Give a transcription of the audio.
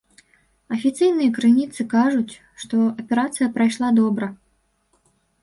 Афіцыйныя крыніцы кажуць, што аперацыя прайшла добра.